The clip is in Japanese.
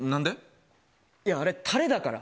いや、あれ、タレだから。